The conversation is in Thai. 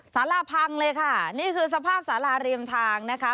สาราพังเลยค่ะนี่คือสภาพสาราริมทางนะคะ